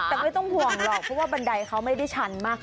แต่ไม่ต้องห่วงหรอกเพราะว่าบันไดเขาไม่ได้ชันมาก